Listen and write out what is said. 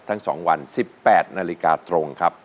ทั้งสองวันสิบแปดนาฬิกาตรงครับ